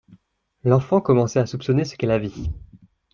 L'enfant commençait à soupçonner ce qu'est la vie.